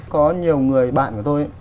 có nhiều người bạn của tôi ấy